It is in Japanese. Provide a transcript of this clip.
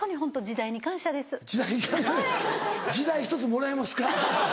時代１つもらえますか？